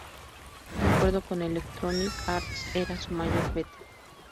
De acuerdo con Electronic Arts, era su mayor beta.